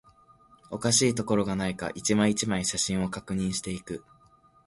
おかしいところがないか、一枚、一枚、写真を確認していく